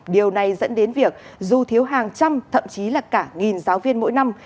điều này dẫn đến việc dù thiếu hàng trăm thậm chí là cả nghìn giáo viên mỗi năm